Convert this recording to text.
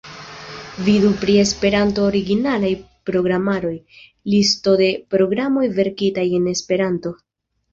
Vidu pri esperanto-originalaj programaroj: Listo de programoj verkitaj en Esperanto.